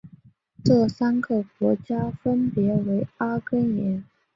这三个国家分别为阿根廷。